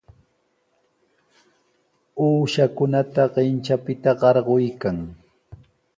Uushakunata qintranpita qarquykan.